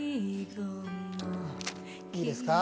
いいですか？